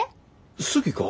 好きか？